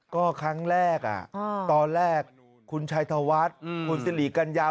ก็ครั้งแรกตอนแรกคุณชัยธวัฒน์คุณสิริกัญญา